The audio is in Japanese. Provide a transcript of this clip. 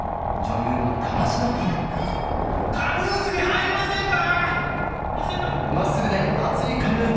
カヌー部に入りませんか？